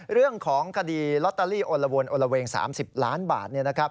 เรื่องของคดีลอตเตอรี่โอละวนโอละเวง๓๐ล้านบาท